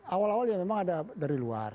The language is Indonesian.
awal awalnya memang ada dari luar